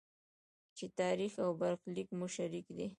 چې تاریخ او برخلیک مو شریک دی.